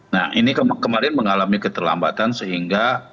nah ini kemarin mengalami keterlambatan sehingga